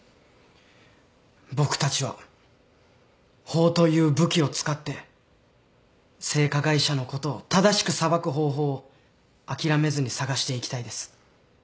僕たちは法という武器を使って性加害者のことを正しく裁く方法を諦めずに探していきたいです。